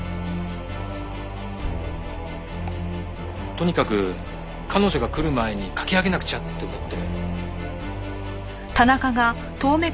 とにかく彼女が来る前に描き上げなくちゃって思って。